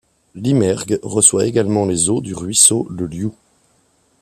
L'Imergue reçoit également les eaux du Ruisseau le Lioux.